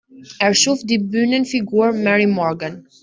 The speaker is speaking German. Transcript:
Er schuf die Bühnenfigur "Mary Morgan".